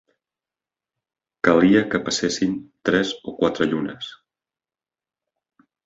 Calia que passessin tres o quatre llunes